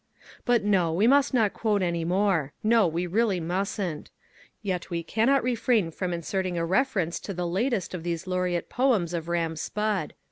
But, no, we must not quote any more. No we really mustn't. Yet we cannot refrain from inserting a reference to the latest of these laureate poems of Ram Spudd.